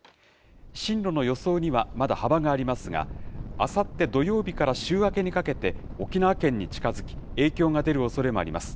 進路の予想にはまだ幅がありますが、あさって土曜日から週明けにかけて沖縄県に近づき、影響が出るおそれもあります。